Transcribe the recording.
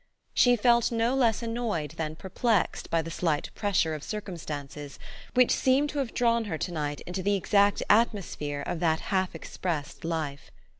She felt no less annoyed than perplexed by the slight pressure of circumstances which seemed to have drawn her to night into the exact atmosphere of that half expressed life.